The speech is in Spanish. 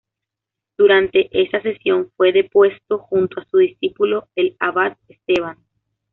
Durante esa sesión fue depuesto, junto a su discípulo, el abad Esteban.